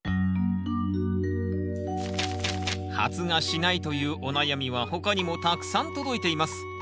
発芽しないというお悩みは他にもたくさん届いています。